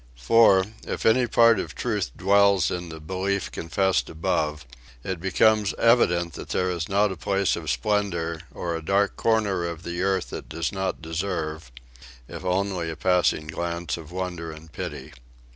For, if any part of truth dwells in the belief confessed above, it becomes evident that there is not a place of splendour or a dark corner of the earth that does not deserve, if only a passing glance of wonder and pity.